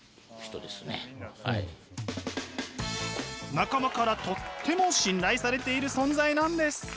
仲間からとっても信頼されている存在なんです。